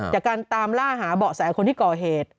จากการตามล่าหาเบาะแสคนที่ก่อเหตุ